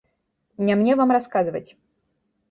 Не мне вам расказваць!